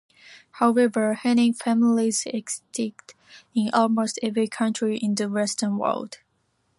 However, Henning families exist in almost every country in the Western world.